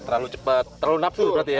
terlalu cepat terlalu nafsu berarti ya